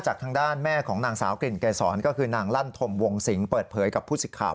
ทางด้านแม่ของนางสาวกลิ่นเกษรก็คือนางลั่นธมวงสิงเปิดเผยกับผู้สิทธิ์ข่าว